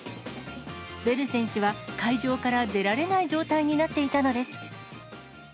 ベル選手は、会場から出られない状態になっていたのです。